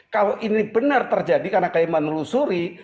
kalau ini benar terjadi karena gai menelusuri